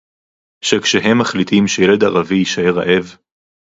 שכשהם מחליטים שילד ערבי יישאר רעב